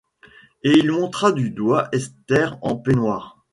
Et il montra du doigt Esther en peignoir.